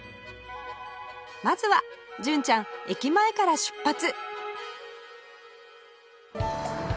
まずは純ちゃん駅前から出発